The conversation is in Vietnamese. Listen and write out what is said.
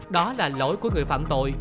đó là lỗi của người phạm tội